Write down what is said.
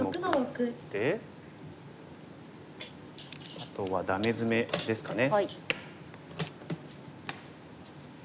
あとはダメヅメですかね。